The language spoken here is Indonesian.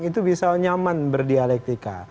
itu bisa nyaman berdialektika